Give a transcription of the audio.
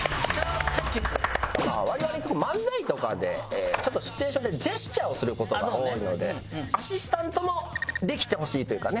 我々漫才とかでシチュエーションでジェスチャーをする事が多いのでアシスタントもできてほしいというかね。